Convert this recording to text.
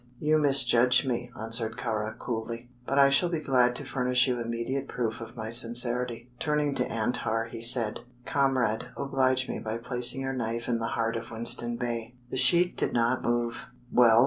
"You misjudge me," answered Kāra, coolly; "but I shall be glad to furnish you immediate proof of my sincerity." Turning to Antar, he said: "Comrade, oblige me by placing your knife in the heart of Winston Bey." The sheik did not move. "Well?"